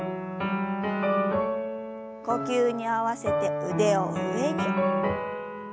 呼吸に合わせて腕を上に。